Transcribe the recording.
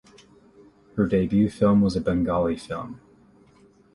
Her debut film was a Bengali film.